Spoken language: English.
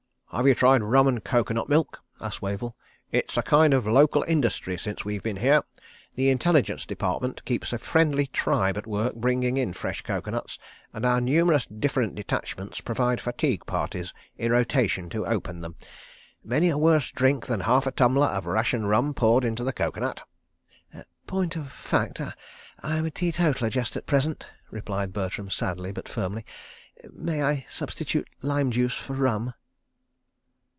"Have you tried rum and coco nut milk?" asked Wavell. "It's a kind of local industry since we've been here. The Intelligence Department keeps a Friendly Tribe at work bringing in fresh coco nuts, and our numerous different detachments provide fatigue parties in rotation to open them. ... Many a worse drink than half a tumbler of ration rum poured into the coco nut. ..." "Point of fact—I'm a teetotaller just at present," replied Bertram, sadly but firmly. "May I substitute lime juice for rum?